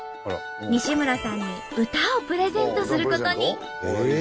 西村さんに歌をプレゼントすることに。